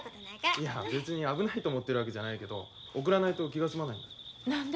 いや別に危ないと思ってるわけじゃないけど送らないと気が済まないんだ。